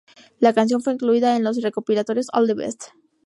La canción fue incluida en los recopilatorios "All the Best!